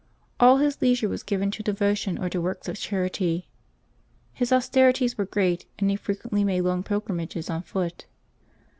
All his leisure was given to devo tion or to works of charity. His austerities were great, and he frequently made long pilgrimages on foot.